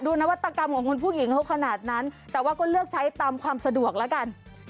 นวัตกรรมของคุณผู้หญิงเขาขนาดนั้นแต่ว่าก็เลือกใช้ตามความสะดวกแล้วกัน